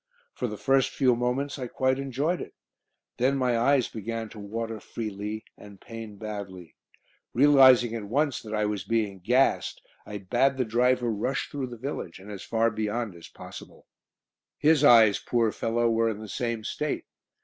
For the first few moments I quite enjoyed it. Then my eyes began to water freely, and pain badly. Realising at once that I was being "gassed," I bade the driver rush through the village, and as far beyond as possible. His eyes, poor fellow, were in the same state.